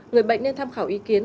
người bệnh nên tham khảo ý kiến